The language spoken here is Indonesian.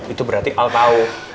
itu berarti al tau